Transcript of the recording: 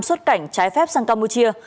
xuất cảnh trái phép sang campuchia